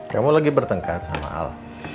kamu lagi bertengkar sama al